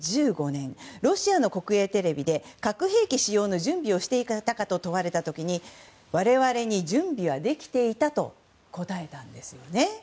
ロシアの国営テレビで核兵器使用の準備をしていたかと問われた時に我々に準備はできていたと答えたんですね。